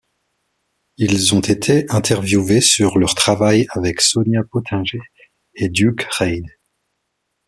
Ils ont été interviewés sur leur travail avec Sonia Pottinger et Duke Reid.